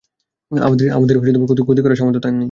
আমাদের ক্ষতি করার সামর্থ্য তার নেই।